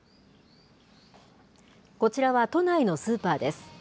こちらは都内のスーパーです。